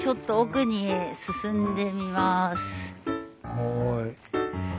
はい。